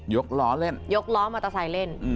ยกล้อมอเตอร์ไซค์เล่น